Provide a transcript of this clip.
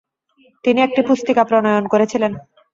তিনি একটি পুস্তিকা প্রণয়ন করেছিলেন।